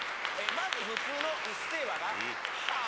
まず普通の「うっせぇわ」がはぁ？